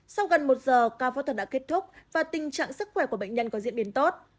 sau gần một giờ ca phẫu thuật đã kết thúc và tình trạng sức khỏe của bệnh nhân có diễn biến tốt